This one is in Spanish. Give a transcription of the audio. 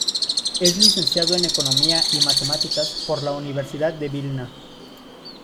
Es licenciado en Economía y Matemáticas por la Universidad de Vilna.